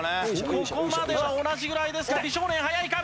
ここまでは同じぐらいですが美少年早いか？